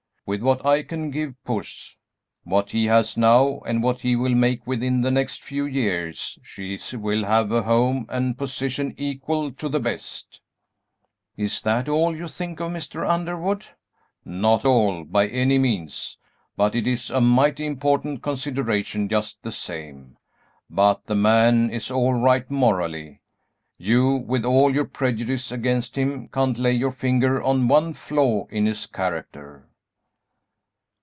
With what I can give Puss, what he has now, and what he will make within the next few years, she will have a home and position equal to the best." "Is that all you think of, Mr. Underwood?" "Not all, by any means; but it's a mighty important consideration, just the same. But the man is all right morally; you, with all your prejudice against him, can't lay your finger on one flaw in his character."